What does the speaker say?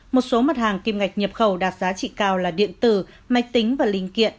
một số mặt hàng kim ngạch nhập khẩu đạt giá trị cao là điện tử máy tính và linh kiện